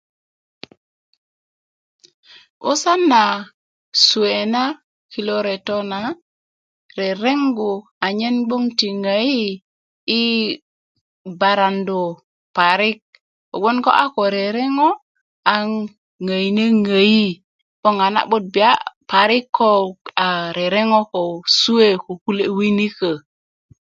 'busan na suewe na kilo reto na rereŋgu anyen gnoŋ ti ŋöyi yi barandu parik kogboŋ ko a ko rereŋo a ŋöyine ŋöyi 'boŋ a na'but biya parik ko a rereŋo ko suweko kule' winikö